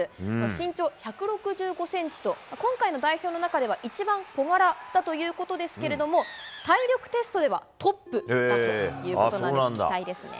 身長１６５センチと、今回の代表の中では一番小柄だということですけれども、体力テストではトップだということなんです、期待ですね。